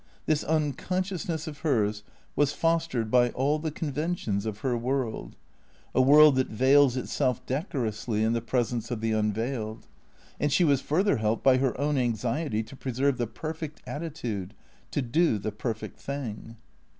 This uncon sciousness of hers was fostered by all the conventions of her world, a world that veils itself decorously in the presence of the unveiled; and she was further helped by her own anxiety to preserve the perfect attitude, to do the perfect thing.